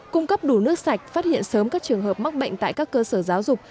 cung cấp đủ nước sạch phát hiện sớm các trường hợp mắc bệnh tại các cơ sở giáo dục